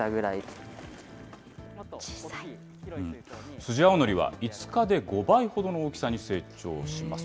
スジアオノリは、５日で５倍ほどの大きさに成長します。